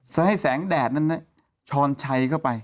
ให้แสงแดดนั้นช้อนชัยเข้าไป